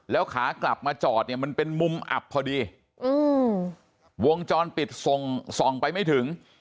แล้วขากลับมาจอดเนี่ยมันเป็นมุมอับพอดีอืมวงจรปิดส่งส่องไปไม่ถึง